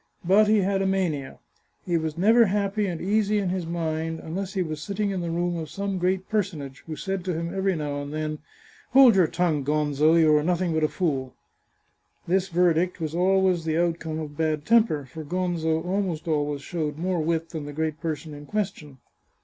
But he had a mania. He was never happy and easy in his mind unless he was sitting in the room of some great personage who said Si8 The Chartreuse of Parma to him every now and then :" Hold your tongue, Gonzo; you are nothing hut a fool.'" This verdict was always the outcome of bad temper, for Gonzo almost always showed more wit than the great person in question.